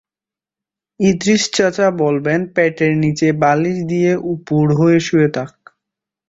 ইদারিস চাচা বলবেন, পেটের নিচে বালিশ দিয়ে উপুড় হয়ে শুয়ে থাক।